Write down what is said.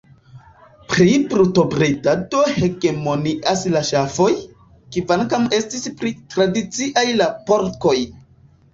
Pri brutobredado hegemonias la ŝafoj, kvankam estis pli tradiciaj la porkoj.